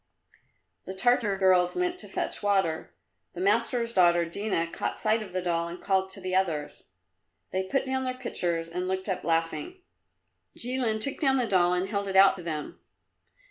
The Tartar girls went to fetch water. The master's daughter Dina caught sight of the doll, and called to the others. They put down their pitchers and looked up laughing. Jilin took down the doll and held it out to them.